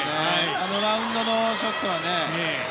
あのラウンドのショットはね